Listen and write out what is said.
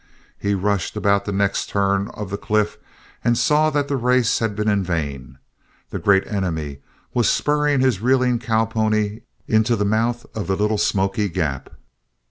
He rushed about the next turn of the cliff and saw that the race had been in vain the Great Enemy was spurring his reeling cowpony into the mouth of the Little Smoky gap!